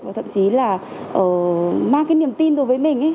và thậm chí là mang cái niềm tin đối với mình ấy